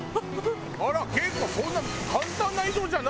「あら結構そんな簡単な移動じゃないじゃん」